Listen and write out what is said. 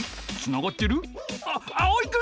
あっあおいくん！